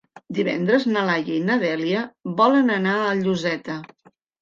Divendres na Laia i na Dèlia volen anar a Lloseta.